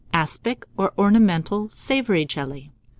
ASPIC, or ORNAMENTAL SAVOURY JELLY.